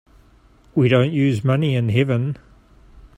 We don't use money in heaven.